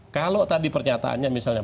kalau tadi pernyataannya misalnya